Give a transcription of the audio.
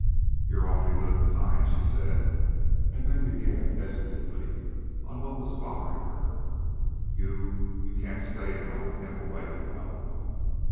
"You're awfully good and kind," she said, and then began hesitantly on what was bothering her. "You... you can't stay now, with him... away, you know."